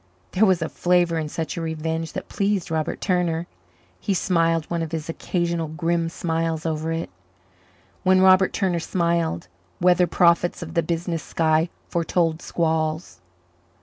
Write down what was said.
There was a flavour in such a revenge that pleased Robert Turner. He smiled one of his occasional grim smiles over it. When Robert Turner smiled, weather prophets of the business sky foretold squalls.